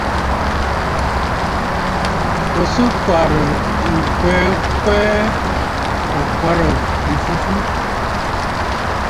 Ò sɨ̀ kwarə̀ ŋ̀kwɛɛ kwɛɛ, ò kwarə̀ m̀fu fu?